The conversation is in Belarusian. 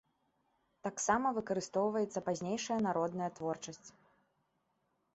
Таксама выкарыстоўваецца пазнейшая народная творчасць.